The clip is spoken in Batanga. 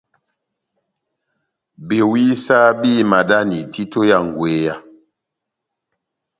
Bewisa béhimadani títo ya ngweya.